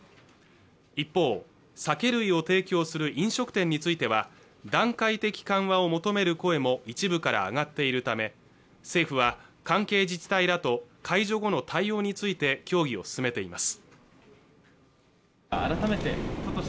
一方酒類を提供する飲食店については段階的緩和を求める声も一部から上がっているため政府は関係自治体らと解除後の対応について協議を進めています